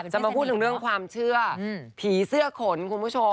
จะมาพูดถึงเรื่องความเชื่อผีเสื้อขนคุณผู้ชม